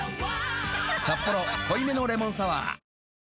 「サッポロ濃いめのレモンサワー」